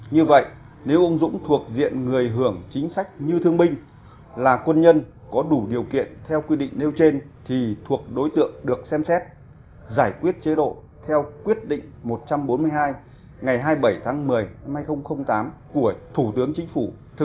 như vậy nếu ông dũng thuộc diện người hưởng chính sách như thương binh là quân nhân có đủ điều kiện theo quy định nêu trên thì thuộc đối tượng được xem xét giải quyết chế độ theo quyết định một trăm bốn mươi hai ngày hai mươi bảy tháng một mươi hai nghìn tám của thủ tướng chính phủ